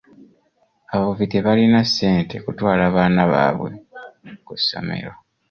Abavubi tebalina ssente kutwala baana baabwe ku ssomero.